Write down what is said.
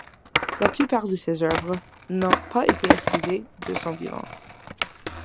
La plupart de ses œuvres n'ont pas été exposées de son vivant.